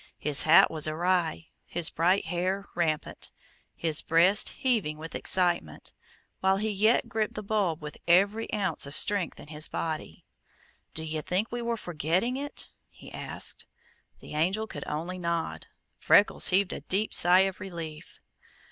His hat was awry, his bright hair rampant, his breast heaving with excitement, while he yet gripped the bulb with every ounce of strength in his body. "Do you think we were for getting it?" he asked. The Angel could only nod. Freckles heaved a deep sigh of relief.